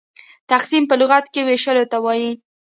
تقسيم په لغت کښي وېشلو ته وايي.